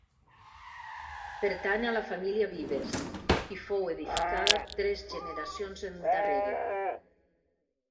Pertany a la família Vives i fou edificada tres generacions endarrere.